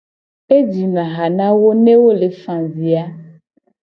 Ejina ha na wo ne wo le fa avi a.